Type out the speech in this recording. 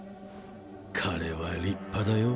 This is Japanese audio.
彼は立派だよ。